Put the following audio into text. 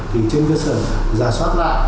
thì trên cơ sở giá soát lại